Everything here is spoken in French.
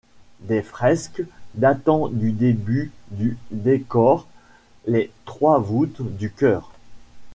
Des fresques datant du début du décorent les trois voûtes du chœur.